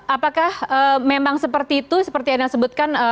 apakah memang seperti itu seperti yang anda sebutkan